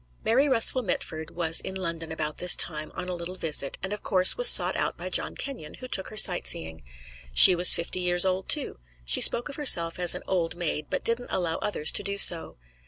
Mary Russell Mitford was in London about this time on a little visit, and of course was sought out by John Kenyon, who took her sightseeing. She was fifty years old, too; she spoke of herself as an old maid, but didn't allow others to do so.